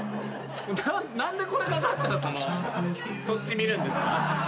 何でこれかかったらそっち見るんですか？